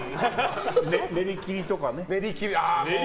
練りきりとかね。